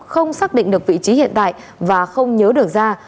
không xác định được vị trí hiện tại và không nhớ được ra